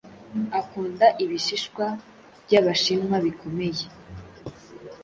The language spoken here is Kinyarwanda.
Akunda ibishishwa byabashinwa bikomeye.